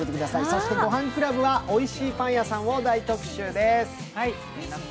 そして「ごはんクラブ」はおいしいパン屋さんを大特集です。